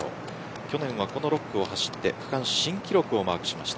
去年は６区を走って区間新記録をマークしました。